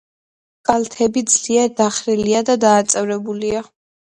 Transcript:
კალთები ძლიერ დახრილი და დანაწევრებულია.